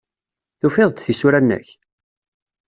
Tufiḍ-d tisura-nnek?